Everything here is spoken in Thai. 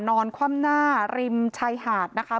นอนคว่ำหน้าริมชายหาดนะคะ